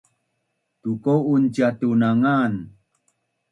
Tuko’un ciatun na ngan?